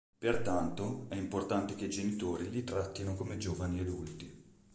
Pertanto, è importante che i genitori li trattino come giovani adulti.